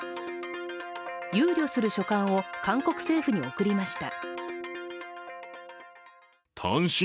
憂慮する書簡を韓国政府に送りました。